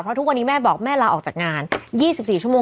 เพราะทุกวันนี้แม่บอกแม่ลาออกจากงาน๒๔ชั่วโมง